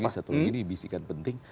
dan jangan lupa satu lagi bisikan penting